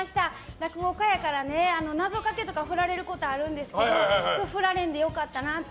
落語家やから謎かけとか振られることあるんですけど振られんで良かったなって。